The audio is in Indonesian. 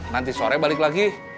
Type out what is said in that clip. nanti sore balik lagi